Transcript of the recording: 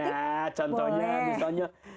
nah contohnya misalnya